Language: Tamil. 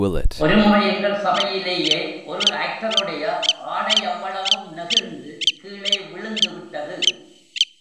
ஒரு முறை எங்கள் சபையிலேயே ஒரு ஆக்டருடைய ஆடையவ்வளவும் நெகிழ்ந்து கீழே விழுந்து விட்டது!